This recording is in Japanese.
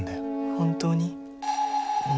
本当に？